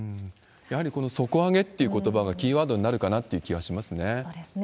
やはりこの底上げってことばがキーワードになるかなっていうそうですね。